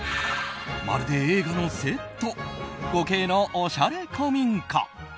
まるで映画のセット５Ｋのおしゃれ古民家。